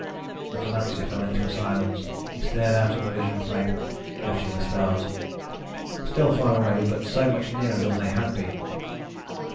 The financier fell into a silence. He stared out of the vision plate, watching the stars. Still far away, but so much nearer than they had been.